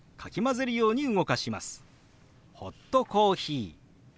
「ホットコーヒー」。